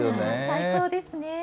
最高ですね。